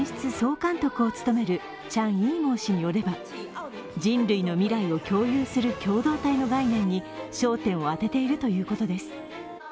・総監督を務めるチャン・イーモウ氏によれば人類の未来を共有する共同体の概念に焦点を当てているということです。